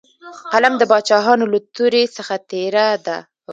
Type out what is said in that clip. قلم د باچاهانو له تورې څخه تېره دی.